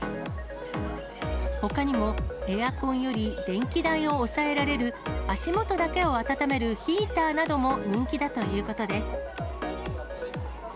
ほかにも、エアコンより電気代を抑えられる、足元だけを暖めるヒーターなども人気だということです。